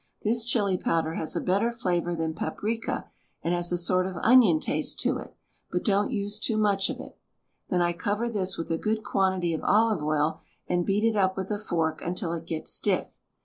This Chili powder has a better flavor than paprika, and has a sort of onion taste to it, but don't use too much of it. Then I cover this with a good quantity of olive oil and beat it up with a fork until it gets stiff.